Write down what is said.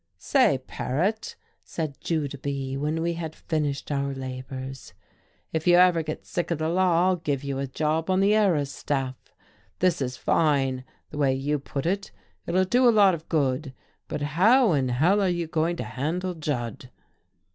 "Say, Paret," said Judah B. when we had finished our labours; "if you ever get sick of the law, I'll give you a job on the Era's staff. This is fine, the way you put it. It'll do a lot of good, but how in hell are you going to handle Judd?..."